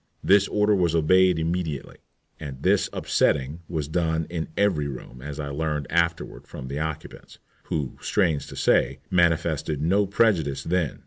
This order was obeyed immediately. And this upsetting was done in every room, as I learned afterward from the occupants, who, strange to say, manifested no prejudice then.